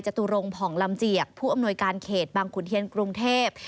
ตุรงผ่องลำเจียกผู้อำนวยการเขตบางขุนเทียนกรุงเทพ